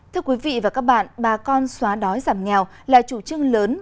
thưa quý vị và các bạn bà con xóa đói giảm nghèo là chủ trương lớn